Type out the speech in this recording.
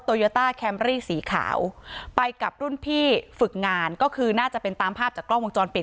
โยต้าแคมรี่สีขาวไปกับรุ่นพี่ฝึกงานก็คือน่าจะเป็นตามภาพจากกล้องวงจรปิด